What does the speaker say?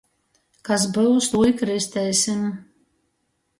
Kas byus, tū i kristeisim.